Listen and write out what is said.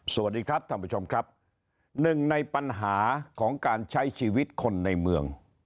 สวัสดีครับท่านผู้ชมครับหนึ่งในปัญหาของการใช้ชีวิตคนในเมือง